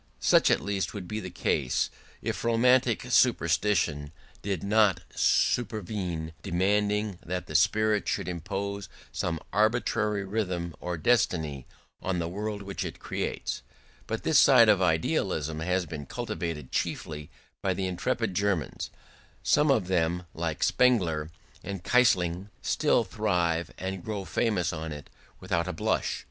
Such at least would be the case if romantic superstition did not supervene, demanding that the spirit should impose some arbitrary rhythm or destiny on the world which it creates: but this side of idealism has been cultivated chiefly by the intrepid Germans: some of them, like Spengler and Keyserling, still thrive and grow famous on it without a blush.